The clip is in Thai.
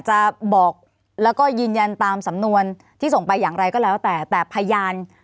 จะบอกแล้วก็ยืนยันตามสำนวนที่ส่งไปอย่างไรก็แล้วแต่แต่พยาน